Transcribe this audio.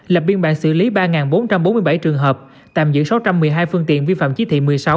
lập biên bản xử lý ba bốn trăm bốn mươi bảy trường hợp tạm giữ sáu trăm một mươi hai phương tiện vi phạm chí thị một mươi sáu